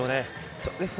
そうですね。